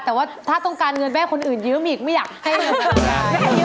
แต่ว่าถ้าต้องการเงินแม่คนอื่นยืมอีกไม่อยากให้เงินคืนได้